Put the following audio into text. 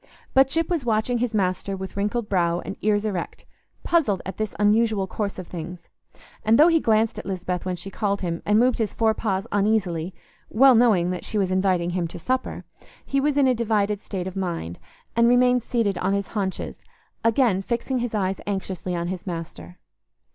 But Gyp was watching his master with wrinkled brow and ears erect, puzzled at this unusual course of things; and though he glanced at Lisbeth when she called him, and moved his fore paws uneasily, well knowing that she was inviting him to supper, he was in a divided state of mind, and remained seated on his haunches, again fixing his eyes anxiously on his master.